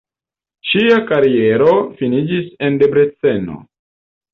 Ŝia kariero finiĝis en Debreceno.